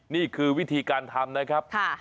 นี่คือวิธีการทำนะครับ